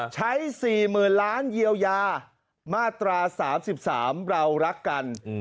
ใช้๔๐๐๐ล้านเยียวยามาตรา๓๓เรารักกัน